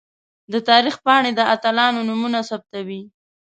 د تاریخ پاڼې د اتلانو نومونه ثبتوي.